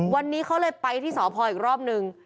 วันนี้เขาเลยไปที่สพอีกรอบนึง